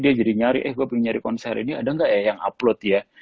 dia jadi nyari eh gue pengen nyari konser ini ada nggak ya yang upload ya